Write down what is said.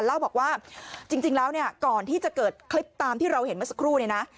เล่าบอกว่าจริงแล้วเนี่ยก่อนที่จะเกิดคลิปตามที่เราเห็นเมื่อสักครู่เนี่ยนะ